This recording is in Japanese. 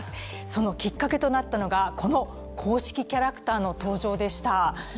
そのきっかけとなったのがこの公式キャラクターの登場でした。